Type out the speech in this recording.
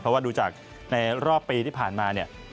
เพราะว่าดูจากในรอบปีที่ผ่านมาเนี่ย